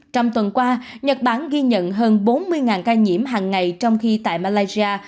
trong tuần qua nhật bản ghi nhận hơn bốn mươi ca nhiễm hàng ngày trong khi tại malaysia